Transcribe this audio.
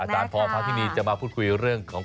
อาจารย์พรพระพินีจะมาพูดคุยเรื่องของ